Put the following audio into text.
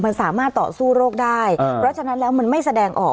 มันสามารถต่อสู้โรคได้เพราะฉะนั้นแล้วมันไม่แสดงออก